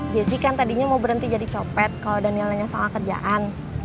gizi kan tadinya mau berhenti jadi copet kalau daniel nanya soal kerjaan